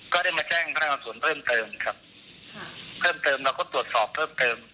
ก็ได้มาแจ้งพนักงานส่วนเพิ่มเติมครับเพิ่มเติมเราก็ตรวจสอบเพิ่มเติม